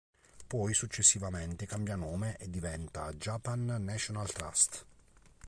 Poi successivamente cambia nome e diventa "Japan National Trust".